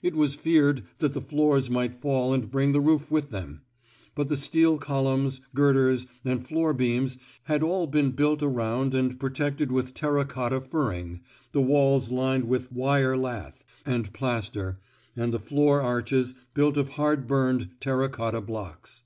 It was feared that the floors might fall and bring the roof with them; but the steel col umns, girders, and floor beams had all been built around and protected with terra cotta furring, the walls lined with *' wire lath *' and plaster, and the floor arches built of hard burned terra cotta blocks.